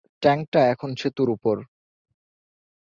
ট্যাঙ্কটা এখন সেতুর উপর।